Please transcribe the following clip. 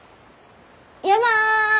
山！